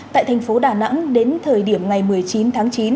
tại thành phố đà nẵng đến thời điểm ngày một mươi chín tháng chín